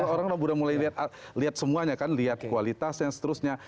orang sudah mulai lihat semuanya kan lihat kualitas dan seterusnya